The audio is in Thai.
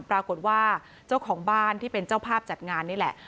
ปรากฏว่าเจ้าของบ้านที่เป็นเจ้าภาพจัดงานนี่แหละ